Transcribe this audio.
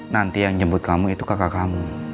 nanti yang jemput kamu itu kakak kamu